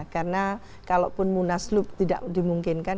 karena kalaupun munaslub tidak dimungkinkan